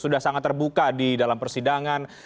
sudah sangat terbuka di dalam persidangan